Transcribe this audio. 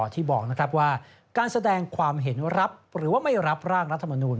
ที่บอกว่าการแสดงความเห็นรับหรือว่าไม่รับร่างรัฐมนูล